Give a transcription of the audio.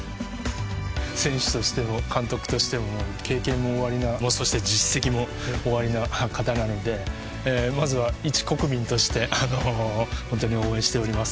選手としても監督としても経験もおありなそして実績もおありな方なのでまずは一国民としてホントに応援しております。